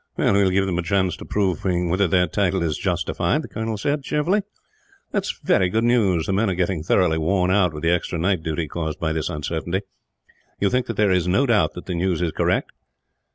"We will give them a chance of proving whether their title is justified," the colonel said, cheerfully. "That is very good news. The men are getting thoroughly worn out with the extra night duty caused by this uncertainty. You think that there is no doubt that the news is correct?"